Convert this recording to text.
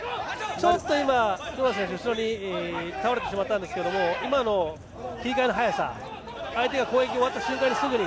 ちょっと今、黒田選手が後ろに倒れてしまったんですが今の切り替えの早さ相手が攻撃が終わった瞬間すぐに。